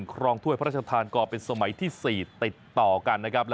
ครองถ้วยพระราชทานกอเป็นสมัยที่๔ติดต่อกันนะครับ